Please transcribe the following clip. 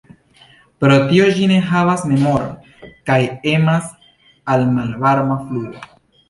Pro tio ĝi ne havas memoron, kaj emas al malvarma fluo.